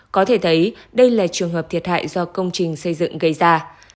có thể thấy đây là trường hợp thiệt hại do công trình xây dựng gây ra